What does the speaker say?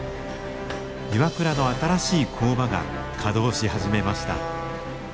ＩＷＡＫＵＲＡの新しい工場が稼働し始めました。